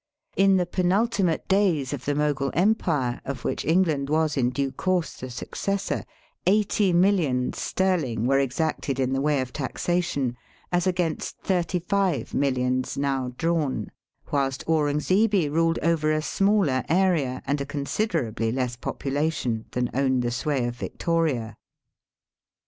In the penultimate days of the Mogul Empire^ of which England was in due course the suc cessor, eighty miUions sterling were exacted in the way of taxation as against thirty five miUions now drawn, whilst Aurungzebe ruled over a smaller area and a considerably less population than own the sway of Victoria.